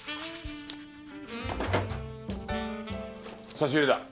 差し入れだ。